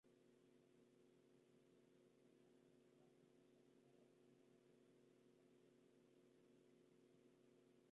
El siguiente diagrama muestra a las localidades más próximas a Kotzebue.